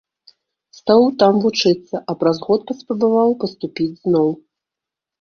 Стаў там вучыцца, а праз год паспрабаваў паступіць зноў.